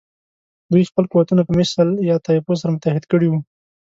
دوی خپل قوتونه په مثل یا طایفو سره متحد کړي وو.